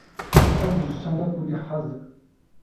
Ez ji çanda kurdî hez dikim.